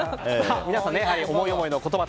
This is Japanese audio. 皆さん、思い思いの言葉